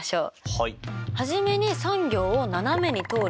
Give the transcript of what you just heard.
はい。